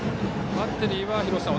バッテリーは廣瀬さん